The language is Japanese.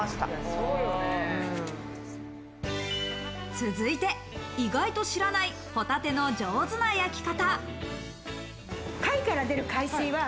続いて意外と知らないホタテの上手な焼き方。